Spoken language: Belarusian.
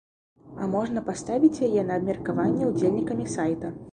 А можна паставіць яе на абмеркаванне ўдзельнікамі сайта.